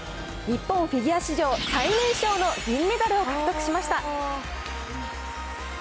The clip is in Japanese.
日本フィギュア史上最年少の銀メダルを獲得しました。